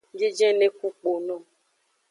Biejene ku kpono.